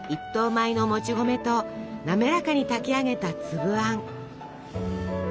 米のもち米となめらかに炊き上げた粒あん。